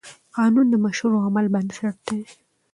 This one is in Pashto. قانون د مشروع عمل بنسټ دی.